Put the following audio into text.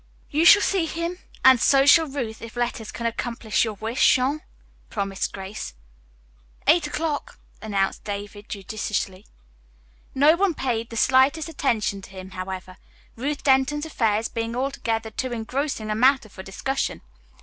"You shall see him and so shall Ruth, if letters can accomplish your wish, Jean," promised Grace. "Eight o'clock," announced David judicially. No one paid the slightest attention to him, however, Ruth Denton's affairs being altogether too engrossing a matter for discussion.